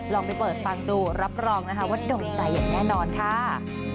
ลองไปเปิดฟังดูรับรองนะคะว่าด่งใจอย่างแน่นอนค่ะ